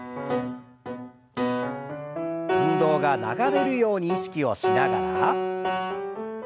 運動が流れるように意識をしながら。